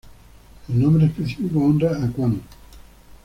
El nombre específico honra a Kuan.